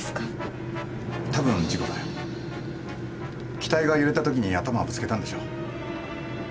機体が揺れたときに頭をぶつけたんでしょう。